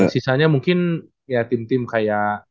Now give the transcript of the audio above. sisanya mungkin ya tim tim kayak